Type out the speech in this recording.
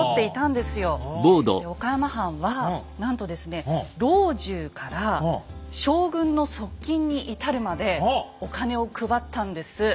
岡山藩はなんとですね老中から将軍の側近に至るまでお金を配ったんです。